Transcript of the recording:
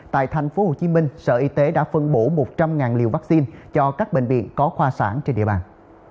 tại tp hcm sở y tế đã phân bổ một trăm linh liều vaccine cho các bệnh viện có khoa sản trên địa bàn